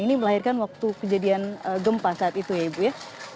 ini melahirkan waktu kejadian gempa saat itu ya ibu ya